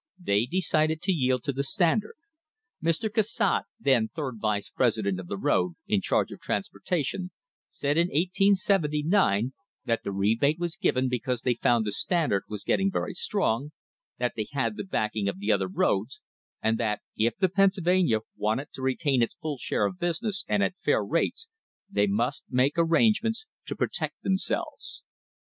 They decided to yield to the Standard. Mr. Cassatt, then third vice president of the road, in charge of transportation, said in 1879 that the rebate was given because they found the Standard was getting very strong, that they had the backing of the other roads, and that if the Pennsylvania wanted to retain its full share of business and at fair rates they must make arrangements to protect themselves.